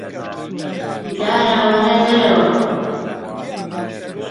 کوێخا دوانی خواردەوە و هەر دەیگوت: